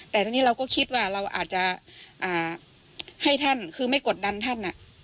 แต่ทีนี้เราก็คิดว่าเราอาจจะให้ท่านคือไม่กดดันท่าน